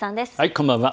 こんばんは。